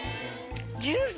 ジュース